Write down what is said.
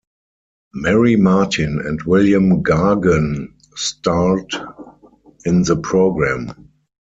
Mary Martin and William Gargan starred in the program.